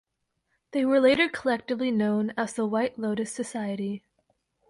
They were later collectively known as the White Lotus Society.